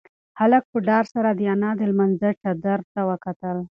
هلک په ډار سره د انا د لمانځه چادر ته وکتل.